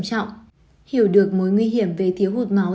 đạt được nguồn máu dự trữ trầm trọng hiểu được mối nguy hiểm về thiếu hụt máu